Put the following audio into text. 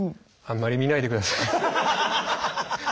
あんまり見ないでください。